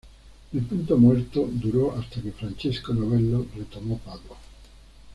El punto muerto duró hasta que Francesco Novello retomó Padua.